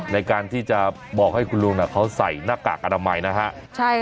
ในการที่จะบอกให้คุณลุงนะเขาใส่หน้ากากอดับใหม่นะฮะใช่ค่ะ